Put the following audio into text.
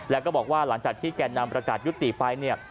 แล้วก็บอกว่าหลังจากที่แก่นำประกาศยุติไปเนี่ย